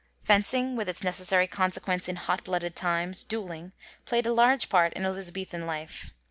Fencing, with its necessary consequence in hot blooded times, duelling, playd a large part in Elizabethan life.